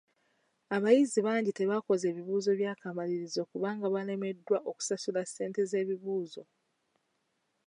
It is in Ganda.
Abayizi bangi tebakoze bibuuzo bya kamalirizo kubanga balemeddwa okusasula ssente z'ebibuuzo.